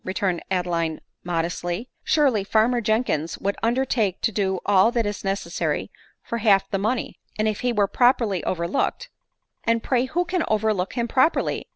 returned Adeline modestly. " Surely farmer Jenkins would undertake to do all that is necessary for half the money ; and, if he were properly overlooked —"" And pray who can overlook him properly